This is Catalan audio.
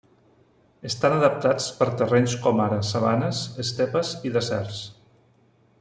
Estan adaptats per terrenys com ara sabanes, estepes i deserts.